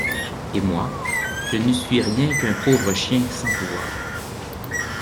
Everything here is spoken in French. Et moi je ne suis rien qu'un pauvre chien sans pouvoir!